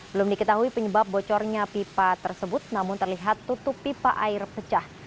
belum diketahui penyebab bocornya pipa tersebut namun terlihat tutup pipa air pecah